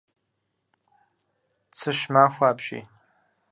Цыщ махуэ апщий.